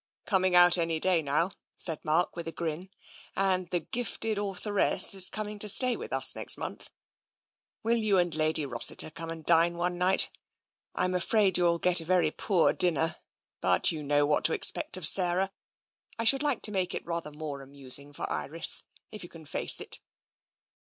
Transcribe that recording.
Coming out any day now," said Mark, with a grin, and the gifted authoress is coming to stay with us next month. Will you and Lady Rossiter come and dine one night? I'm afraid you'll get a very poor din ner, but you know what to expect of Sarah. I should like to make it rather more amusing for Iris, if you can face it."